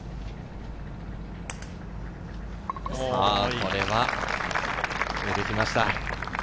これは決めてきました。